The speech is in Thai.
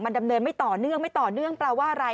มันดำเนินไม่ต่อเนื่องปราว่าอะไร